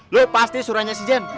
lo pasti suran si zen